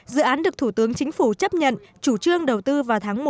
dự án được thủ tướng chính phủ chấp nhận chủ trương đầu tư vào tháng một năm hai nghìn hai mươi